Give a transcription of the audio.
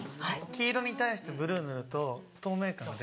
黄色に対してブルー塗ると透明感が出るんです。